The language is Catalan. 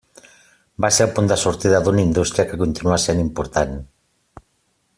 Va ser el punt de sortida d'una indústria que continua sent important.